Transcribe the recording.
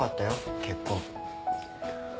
結婚。